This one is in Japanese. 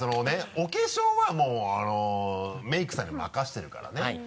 お化粧はもうメイクさんに任せてるからね